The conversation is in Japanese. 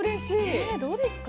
ねえどうですか。